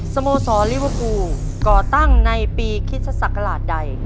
สโมสรลิเวอร์ฟูลก่อตั้งในปีคริสตศักราชใด